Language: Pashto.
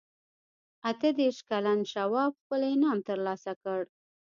اته دېرش کلن شواب خپل انعام ترلاسه کړ.